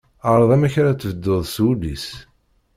Ɛreḍ amek ara tbedduḍ s wullis.